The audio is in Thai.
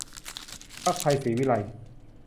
พรรคไทยศรีวิไลย์